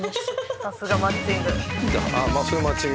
さすがマッチング。